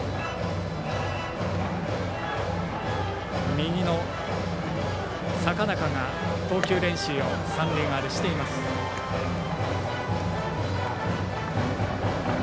右の坂中が投球練習を三塁側でしています。